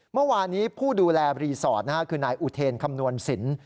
เมื่อวานนี้ผู้ดูแลรีสอร์ทคือนายอุเทนคำนวณสิน